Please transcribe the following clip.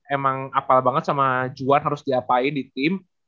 emang apal banget sama juan harus diapain di tim